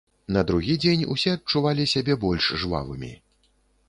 На другі дзень усе адчувалі сябе больш жвавымі.